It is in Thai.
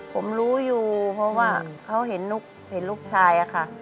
ผมรู้อยู่เพราะว่าเขาเห็นลูกชายอะค่ะ